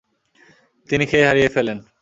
তিনি খেই হারিয়ে ফেলেন।